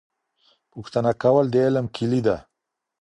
پوښتنه کول د علم کیلي ده.